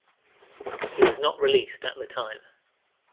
He was not released at the time.